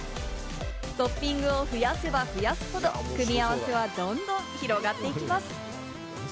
トッピングを増やせば増やすほど、組み合わせはどんどん広がっていきます。